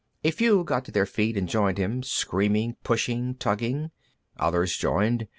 A few got to their feet and joined him, screaming, pushing, tugging. Others joined.